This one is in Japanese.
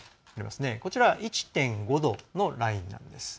こちらは１．５度のラインなんです。